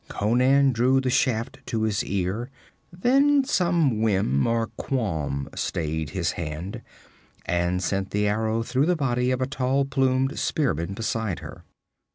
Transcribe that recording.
Conan drew the shaft to his ear then some whim or qualm stayed his hand and sent the arrow through the body of a tall plumed spearman beside her.